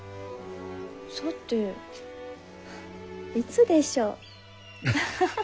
さていつでしょう？